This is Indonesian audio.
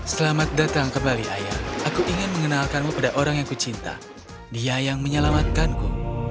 selamat datang kembali ayah aku ingin mengenalkanmu pada orang yang ku cinta dia yang menyelamatkanku